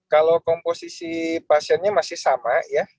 kalau komposisi pasiennya masih sama ya